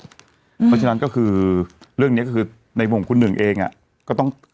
เพราะฉะนั้นก็คือเรื่องนี้ก็คือในมุมคุณหนึ่งเองก็ต้อง